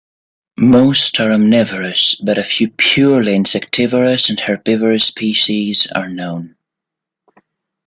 Most are omnivorous, but a few purely insectivorous and herbivorous species are known.